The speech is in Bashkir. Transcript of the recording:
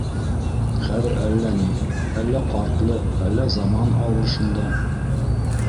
Хәҙер әллә ни, әллә ҡартлыҡ, әллә заман ауыр шунда.